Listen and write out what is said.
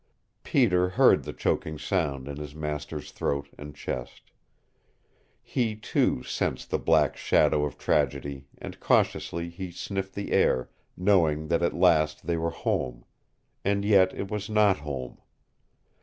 Peter heard the choking sound in his master's throat and chest. He, too, sensed the black shadow of tragedy and cautiously he sniffed the air, knowing that at last they were home and yet it was not home.